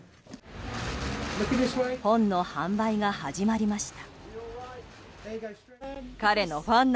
本の販売が始まりました。